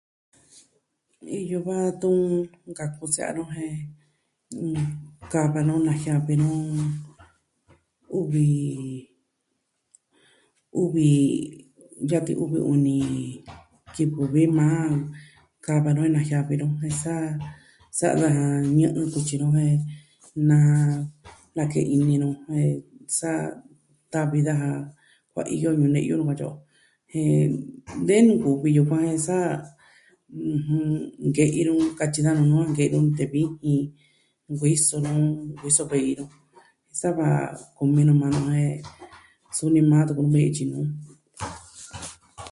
Iyo va tun nkaku se'ya nu jen nnn... kava nu najiavi nu uvi... uvi... yatin uvi uni kivɨ vi maa. Kava nu najiavi nu jen sa... sa'a daja ñɨ'ɨ kutyi nu jen na... nake'en ini nu jen sa tavi daja kuaiyo ñune'yu nu katyi o. Jen de nkuvi yukuan jen sa, ɨjɨn. Nke'i nu katyi daja nuu nu a nke'i nu nute vijin. Nkuiso nu. Nkuiso vei nu sa va kumi nu maa nu jen suni maa tuku nuu vi ji ityi nuu.